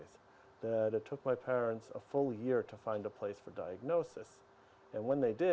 seperti anda sendiri anda sangat artikulat anda sangat verbal